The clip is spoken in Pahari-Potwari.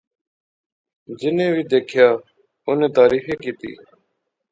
جینی وی دیکھیا اُنی تعریف ایہہ کیتی